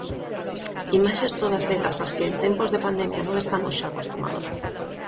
Imaxes todas elas ás que en tempos de pandemia non estamos xa acostumados.